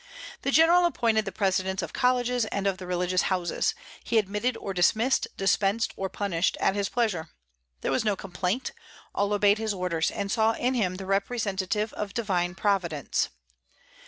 The General appointed the presidents of colleges and of the religious houses; he admitted or dismissed, dispensed or punished, at his pleasure. There was no complaint; all obeyed his orders, and saw in him the representative of Divine Providence.